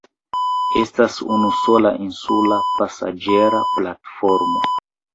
Estas unusola insula pasaĝera platformo.